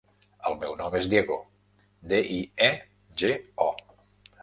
El meu nom és Diego: de, i, e, ge, o.